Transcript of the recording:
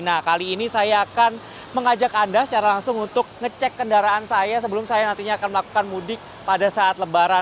nah kali ini saya akan mengajak anda secara langsung untuk ngecek kendaraan saya sebelum saya nantinya akan melakukan mudik pada saat lebaran